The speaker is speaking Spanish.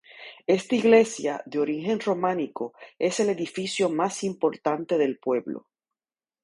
Esta iglesia, de origen románico, es el edificio más importante del pueblo.